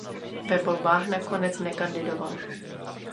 Ve volbách nakonec nekandidoval.